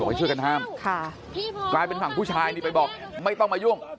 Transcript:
ให้ช่วยกันห้ามค่ะกลายเป็นฝั่งผู้ชายนี่ไปบอกไม่ต้องมายุ่ง